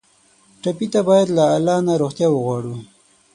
ټپي ته باید له الله نه روغتیا وغواړو.